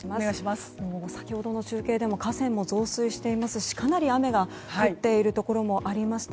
先ほどの中継でも河川が増水していますしかなり雨が降っているところもありました。